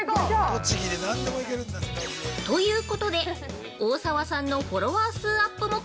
◆ということで、大沢さんのフォロワー数アップ